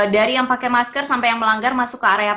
dari yang pakai masker sampai yang melanggar masuk ke area